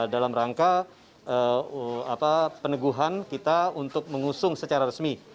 dalam rangka peneguhan kita untuk mengusung secara resmi